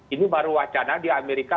ini baru wacana di amerika